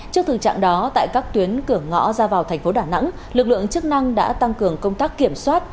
trước thực trạng đó tại các tuyến cửa ngõ ra vào thành phố đà nẵng lực lượng chức năng đã tăng cường công tác kiểm soát